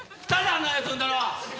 ⁉あんなやつ呼んだのは！